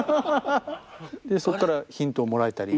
でそこからヒントをもらえたり？